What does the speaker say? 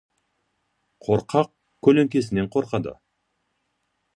Қорқақ көлеңкесінен қорқады.